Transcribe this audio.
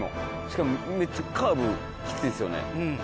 しかもめっちゃカーブきついですよね。